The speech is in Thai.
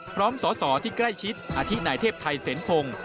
พร้อมสอสอที่ใกล้ชิดอาทิตนายเทพไทยเสนพงศ์